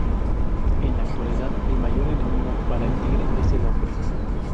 En la actualidad, el mayor enemigo para el tigre es el hombre.